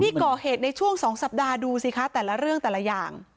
ที่ก่อเหตุในช่วง๒สัปดาห์ดูสิคะแต่ละเรื่องแต่ละอย่าง